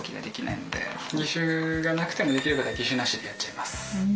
義手がなくてもできることは義手なしでやっちゃいます。